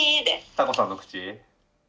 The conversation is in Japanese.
タコさんの口？